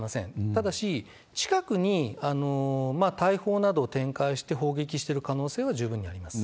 ただし、近くに大砲などを展開して砲撃してくる可能性は十分にあります。